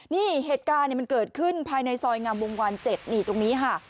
นี่เหตุการณ์มันเกิดขึ้นภายในซอยงามวงวาน๗นี่ตรงนี้ค่ะ